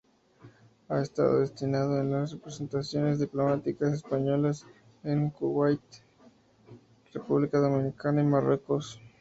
Ha estado destinado en las representaciones diplomáticas españolas en Kuwait, República Dominicana y Marruecos.